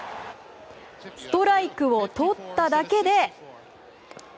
ストライクを取っただけで。